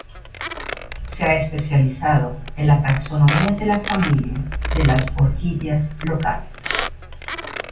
Se ha especializado en la taxonomía de la familia de las orquídeas locales.